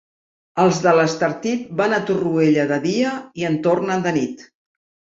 Els de l'Estartit van a Torroella de dia i en tornen de nit.